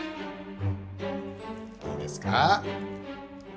いいですか？